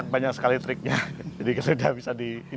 banyak sekali triknya